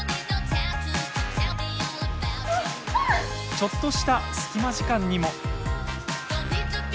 ちょっとした隙間時間にも。